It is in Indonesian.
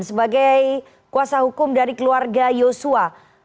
sebagai kuasa hukum dari keluarga yosua